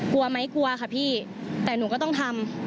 กลัวไหมกลัวค่ะพี่แต่หนูก็ต้องทำ